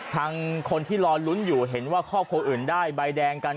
คนที่รอลุ้นอยู่เห็นว่าครอบครัวอื่นได้ใบแดงกัน